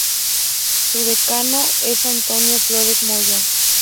Su decano es Antonio Flores Moya.